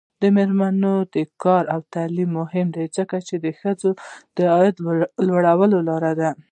د میرمنو کار او تعلیم مهم دی ځکه چې ښځو عاید لوړولو لاره ده.